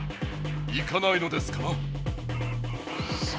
行かないのですかな？